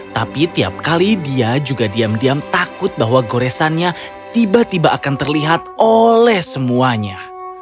tapi tiap kali dia juga diam diam takut bahwa goresannya tiba tiba akan terlihat oleh semuanya